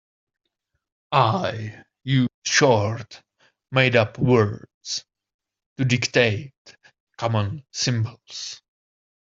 I use short made-up words to dictate common symbols.